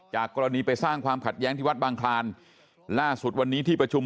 กรณีไปสร้างความขัดแย้งที่วัดบางคลานล่าสุดวันนี้ที่ประชุม